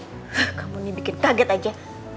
wah kamu ini bikin kaget aja